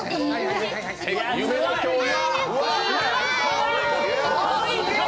夢の共演。